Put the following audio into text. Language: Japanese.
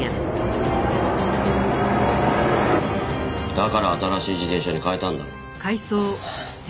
だから新しい自転車に替えたんだろ。